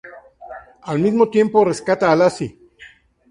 Al mismo tiempo, rescata a Lacy.